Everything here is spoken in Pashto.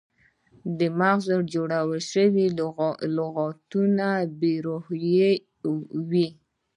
د مغزو جوړ شوي لغتونه بې روحه وي.